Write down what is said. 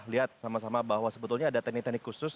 lihat sama sama bahwa sebetulnya ada teknik teknik khusus